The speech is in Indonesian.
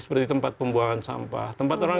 seperti tempat pembuangan sampah tempat orang